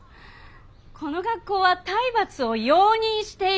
この学校は体罰を容認している。